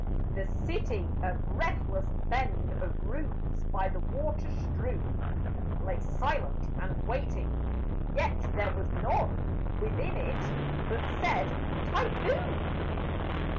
The city, a breathless bend Of roofs, by the water strewn, Lay silent and waiting, yet there was none Within it but said typhoon!